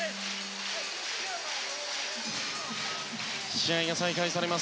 試合が再開されます。